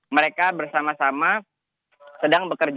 mereka bersama sama sedang bekerja